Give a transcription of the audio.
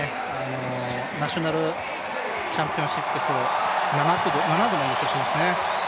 ナショナルチャンピオンシップス７度も優勝していますね。